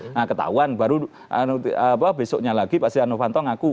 nah ketahuan baru besoknya lagi pak siti anufanto ngaku